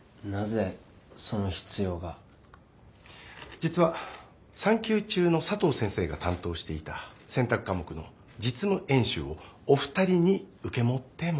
実は産休中の佐藤先生が担当していた選択科目の実務演習をお二人に受け持ってもらいたいんです。